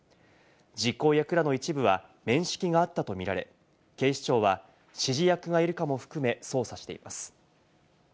実行役らの一部は面識があったとみられ、警視庁は指示役がいるかも含め捜査しています。